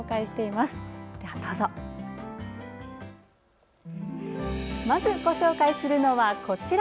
まずご紹介するのはこちら。